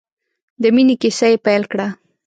د مینې کیسه یې پیل کړه.